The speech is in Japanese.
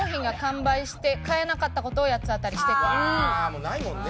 もうないもんね